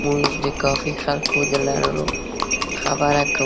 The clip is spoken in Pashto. موږ د کافي خلکو د لرلو خبره کوو.